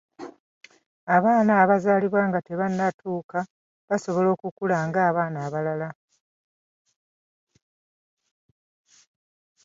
Abaana abazaalibwa nga tebannatuuka basobola okukula ng'abaana abalala .